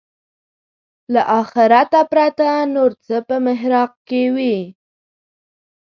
له آخرته پرته نور څه په محراق کې وي.